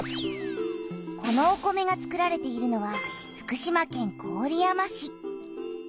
このお米がつくられているのは福島県郡山市。